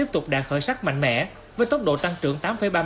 thở sắc mạnh mẽ với tốc độ tăng trưởng